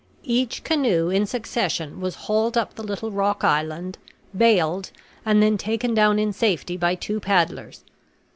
Each canoe in succession was hauled up the little rock island, baled, and then taken down in safety by two paddlers.